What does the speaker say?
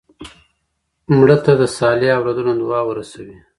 مړه ته د صالح اولادونو دعا ورسوې